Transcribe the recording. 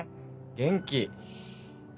元気？